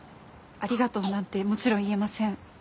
ありがとうなんてもちろん言えません。